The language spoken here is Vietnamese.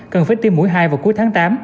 cần phải tiêm mối hai vào cuối tháng tám